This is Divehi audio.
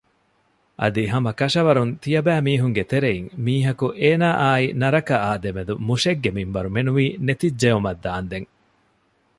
އަދި ހަމަކަށަވަރުން ތިޔަބައިމީހުންގެ ތެރެއިން މީހަކު އޭނާއާއި ނަރަކައާ ދެމެދު މުށެއްގެ މިންވަރު މެނުވީ ނެތިއްޖައުމަށް ދާންދެން